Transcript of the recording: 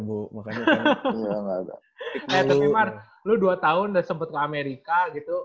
tapi mar lu dua tahun dan sempet ke amerika gitu